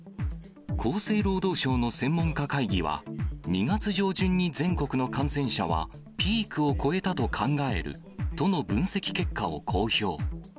厚生労働省の専門家会議は、２月上旬に全国の感染者はピークを越えたと考えるとの分析結果を公表。